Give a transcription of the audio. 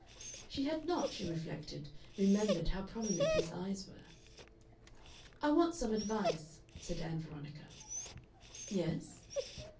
She had not, she reflected, remembered how prominent his eyes were. "I want some advice," said Ann Veronica. "Yes?"